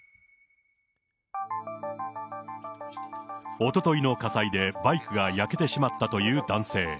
おとといの火災でバイクが焼けてしまったという男性。